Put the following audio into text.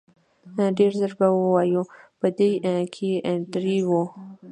ډېر ژر به ووايي په دوی کې درې وو.